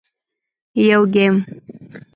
- یو ګېم 🎮